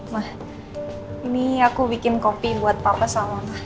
ma ini aku bikin kopi buat papa sama ma